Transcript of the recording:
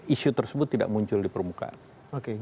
isu tersebut tidak muncul di permukaan